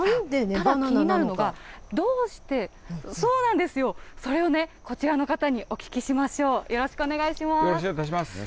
気になるのが、どうして、それをね、こちらの方にお聞きしましょう、よろしくお願いします。